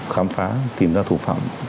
khám phá tìm ra thủ phạm